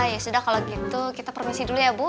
ya sudah kalau gitu kita permisi dulu ya bu